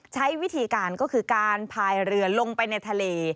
ใช้วิธีการก็คือการพายเรือลงไปในทะเล